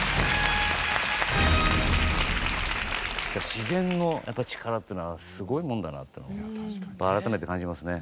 自然の力っていうのはすごいもんだなっていうのをやっぱり改めて感じますね。